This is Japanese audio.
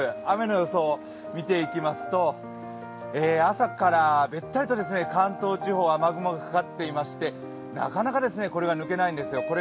雨の予想、見ていきますと朝からべったりと関東地方、雨雲がかかっていまして、なかなかこれが抜けないんですよ。